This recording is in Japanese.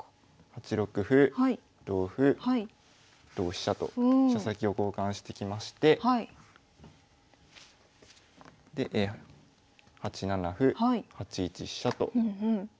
８六歩同歩同飛車と飛車先を交換してきましてで８七歩８一飛車と進みます。